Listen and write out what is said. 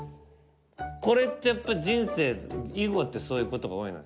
これってやっぱり人生囲碁ってそういうことが多いのよ。